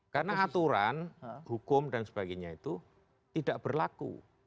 karena aturan hukum dan sebagainya itu tidak berlaku